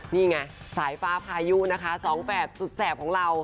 นี่ไงสายฟ้าพายุนะคะ๒แฝดสุดแสบของเรา